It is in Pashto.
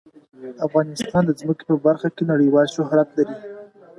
افغانستان د ځمکه په برخه کې نړیوال شهرت لري.